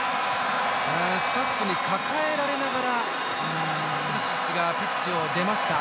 スタッフに抱えられながらプリシッチがピッチを出ました。